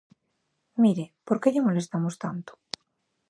Mire, ¿por que lle molestamos tanto?